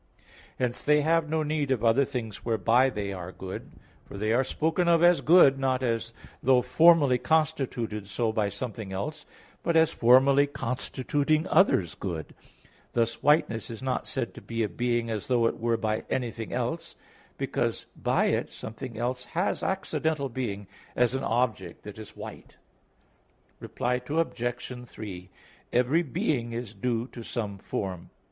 Hence they have no need of other things whereby they are good: for they are spoken of as good, not as though formally constituted so by something else, but as formally constituting others good: thus whiteness is not said to be a being as though it were by anything else; but because, by it, something else has accidental being, as an object that is white. Reply Obj. 3: Every being is due to some form.